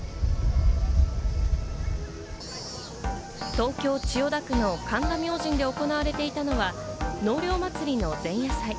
東京・千代田区の神田明神で行われていたのは、納涼祭りの前夜祭。